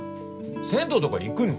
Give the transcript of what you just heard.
銭湯とか行くの？